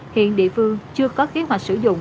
hiện địa phương chưa có kế hoạch sử dụng